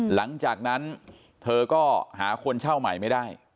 หลังจากนั้นเธอก็หาคนเช่าใหม่ไม่ได้